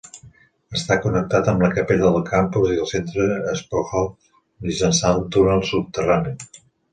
Està connectat amb la capella del campus i el centre Spoelhof mitjançant túnels subterranis.